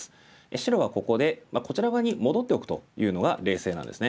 白はここでこちら側に戻っておくというのが冷静なんですね。